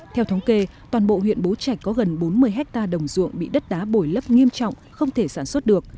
theo thống kê toàn bộ huyện bố trạch có gần bốn mươi hectare đồng ruộng bị đất đá bồi lấp nghiêm trọng không thể sản xuất được